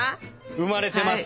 生まれてます！